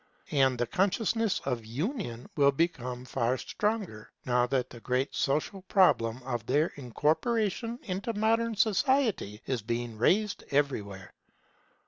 And the consciousness of union will become far stronger, now that the great social problem of their incorporation into modern society is being raised everywhere.